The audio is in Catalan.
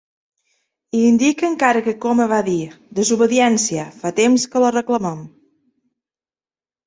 I indica encara que Coma va dir: Desobediència, fa temps que la reclamem.